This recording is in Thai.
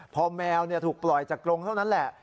พอแมวถูกปล่อยจากกรงเท่านั้นแหละ